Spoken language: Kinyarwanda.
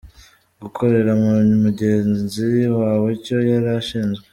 Gukorera mugenzi wawe icyo yari ashinzwe .